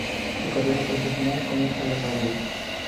Su carrera profesional comienza en la radio.